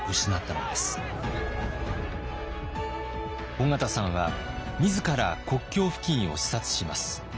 緒方さんは自ら国境付近を視察します。